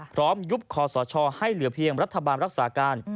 ยุบคอสชให้เหลือเพียงรัฐบาลรักษาการ